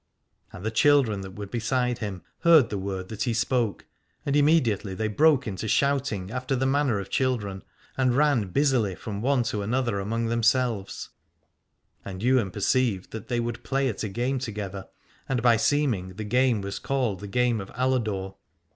And the children that were beside him heard the word that he spoke, and immediately they broke into shout ing after the manner of children, and ran busily from one to another among themselves : and Ywain perceived that they would play at a game together, and by seeming the game was called the game of Aladore.